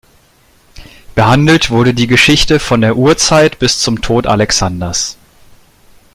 Behandelt wurde die Geschichte von der „Urzeit“ bis zum Tod Alexanders.